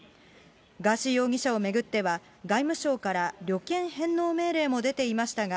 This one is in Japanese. ガーシー容疑者を巡っては、外務省から旅券返納命令も出ていましたが、